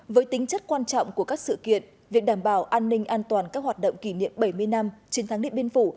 với tính chất quan trọng của các sự kiện việc đảm bảo an ninh an toàn các hoạt động kỷ niệm bảy mươi năm chiến thắng điện biên phủ